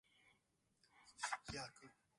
The term redcap is also used in a more general sense.